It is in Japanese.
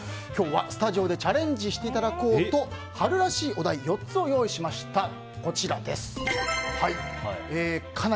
今日はスタジオでチャレンジしていただこうと春らしいお題４つを用意しました。